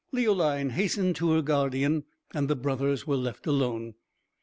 Leoline hastened to her guardian, and the brothers were left alone.